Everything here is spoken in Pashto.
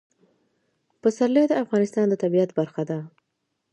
پسرلی د افغانستان د طبیعت برخه ده.